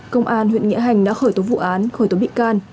công an huyện nghĩa hành đã khởi tố vụ án khởi tố bị can